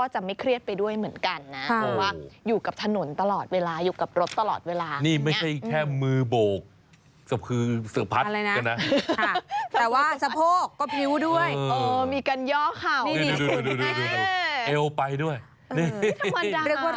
นี่ดูเอัง